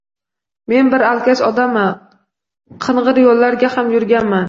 Men bir alkash odamman, qingʻir yoʻllarga ham yurganman